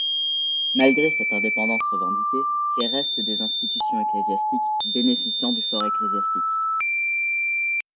Malgré cette indépendance revendiquée, ces restent des institutions ecclésiastiques, bénéficiant du for ecclésiastique.